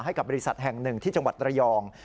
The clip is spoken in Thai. ให้กับบริษัทแห่งหนึ่งที่จังหวัดระยอง